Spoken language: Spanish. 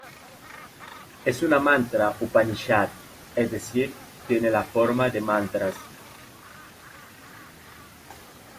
Es una "mantra-upanishad", es decir, tiene la forma de mantras.